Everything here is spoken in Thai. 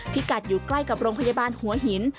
กัดอยู่ใกล้กับโรงพยาบาลหัวหิน